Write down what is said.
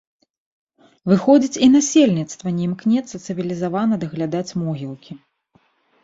Выходзіць, і насельніцтва не імкнецца цывілізавана даглядаць могілкі.